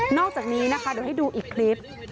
อกจากนี้นะคะเดี๋ยวให้ดูอีกคลิป